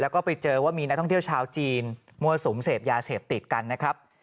แล้วก็ไปเจอว่ามีนักท่องเที่ยวชาวจีนมั่วสุมเสพยาเสพติดกันนะครับ